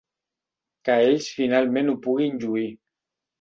Que ells finalment ho puguin lluir.